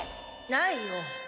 ないよ。